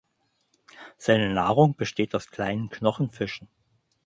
Seine Nahrung besteht aus kleinen Knochenfischen.